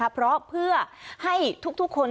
เพราะเพื่อให้ทุกคน